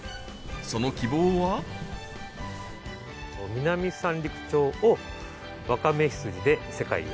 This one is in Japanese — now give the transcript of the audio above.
その「南三陸町をわかめ羊で世界へ」。